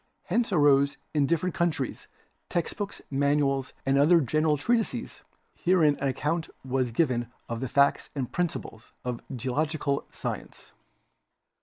Hence arose in different countries text books, manuals and other general treatises wherein an account was given of the facts and principles of geological science.